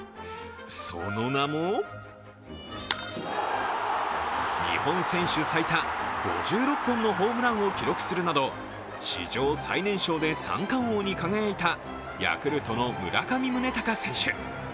その名も日本選手最多５６本のホームランを記録するなど史上最年少で三冠王に輝いたヤクルトの村上宗隆選手。